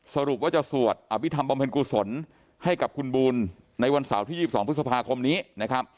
สรุปว่าจะสวดอภิษฐรรมบำเพ็ญกุศลให้กับคุณบูลในวันเสาร์ที่๒๒พฤษภาคมนี้นะครับ